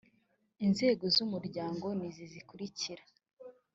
inzego z’umuryango n’izi zikurikira: